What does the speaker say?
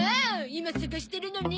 今捜してるのに！